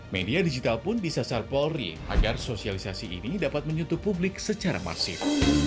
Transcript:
media digital pun disasar polri agar sosialisasi ini dapat menyentuh publik secara masif